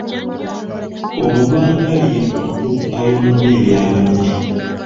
Omuvandali ye muntu ayonoona ebya banne.